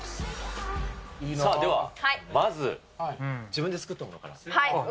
さあでは、まず自分で作ったものから。